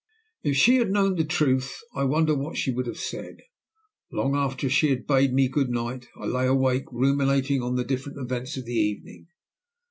If she had known the truth, I wonder what she would have said? Long after she had bade me good night I lay awake ruminating on the different events of the evening.